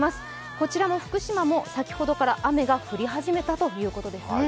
こちら福島も先ほどから雨が降り始めたということですね。